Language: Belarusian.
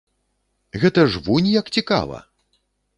Гэта ж вунь як цікава!